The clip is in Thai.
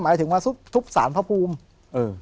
หมายถึงว่าทุบศาลพระภูมิ